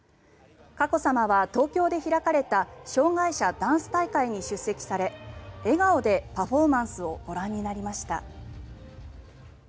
佳子さまは東京で開かれた障害者ダンス大会に出席され笑顔でパフォーマンスをご覧になりました。